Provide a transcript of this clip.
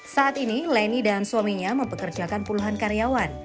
saat ini leni dan suaminya mempekerjakan puluhan karyawan